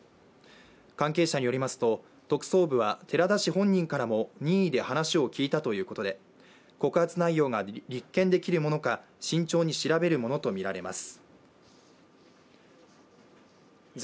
関係者によりますと、特捜部は寺田氏本人からも任意で話を聞いたということで、告発内容が立件できるものか慎重に調べるものとみられます。